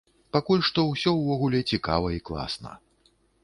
Пакуль што ўсё ўвогуле цікава і класна.